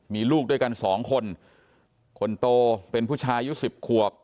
มีลูกด้วยกันสองคนคนโตเป็นผู้ชายอายุสิบขวบ